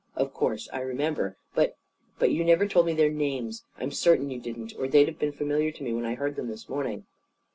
Of course, I remember. But but you never told me their names. I'm certain you didn't. Or they'd have been familiar to me when I heard them this morning."